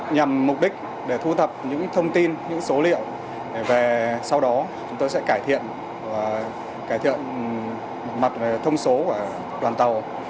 nhằm mục đích để thu thập những thông tin những số liệu để về sau đó chúng tôi sẽ cải thiện mặt thông số của đoàn tàu